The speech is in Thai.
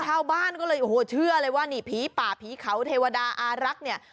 ชาวบ้านก็เลยโอ้โหเชื่อเลยว่านี่ผีป่าผีเขาเทวดาอารักษ์เนี่ย